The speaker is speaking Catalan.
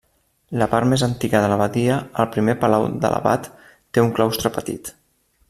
La part més antiga de l'abadia, el primer palau de l'abat, té un claustre petit.